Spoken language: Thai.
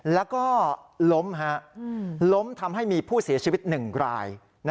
แล้วก็ล้มล้มทำให้มีผู้เสียชีวิต๑ราย